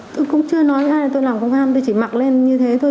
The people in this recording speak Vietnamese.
tôi cũng chưa nói với ai tôi làm công an tôi chỉ mặc lên như thế thôi